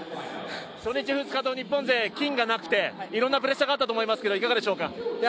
初日、２日と金がなくていろんなプレッシャーがあったと思いますがどうですか？